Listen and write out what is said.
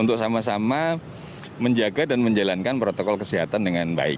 untuk sama sama menjaga dan menjalankan protokol kesehatan dengan baik